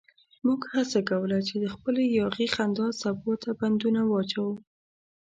موږ هڅه کوله چې د خپلې یاغي خندا څپو ته بندونه واچوو.